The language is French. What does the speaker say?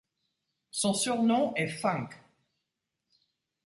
Son surnom est Funk.